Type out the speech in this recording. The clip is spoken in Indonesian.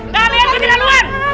kalian kecil laluan